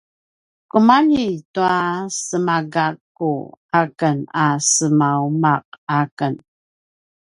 kumalji tua semagakku aken a semauma’ aken